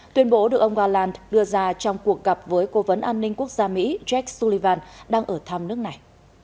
tuyên bố được ông galan đưa ra trong cuộc gặp với cố vấn an ninh quốc gia mỹ jake sullivan đang ở thăm nước này